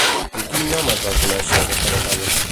Amb quin nom es va conèixer aquesta batalla?